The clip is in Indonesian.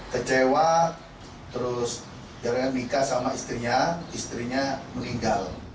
kecewa terus jadinya nikah sama istrinya istrinya meninggal